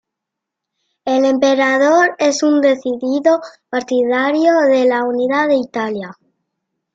El emperador es un decidido partidario de la unidad de Italia.